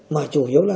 mà chủ yếu là